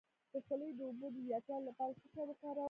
د خولې د اوبو د زیاتوالي لپاره څه شی وکاروم؟